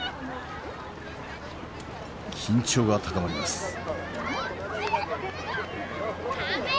緊張が高まります。